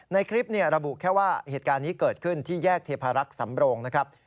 ในคลิประบุแค่ว่าเหตุการณ์นี้เกิดขึ้นที่แยกเทพารักษ์สำโรงนะครับ